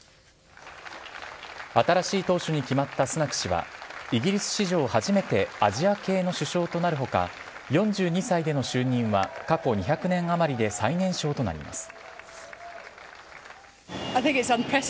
新しい党首に決まったスナク氏は、イギリス史上初めてアジア系の首相となるほか、４２歳での就任は過去２００年余りで最年少となります。